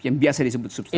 yang biasa disebut substantif